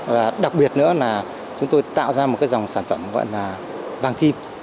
và đặc biệt nữa là chúng tôi tạo ra một cái dòng sản phẩm gọi là vàng kim